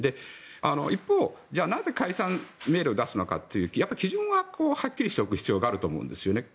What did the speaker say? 一方なぜ、解散命令を出すのかという基準ははっきりしておく必要があると思うんですよね。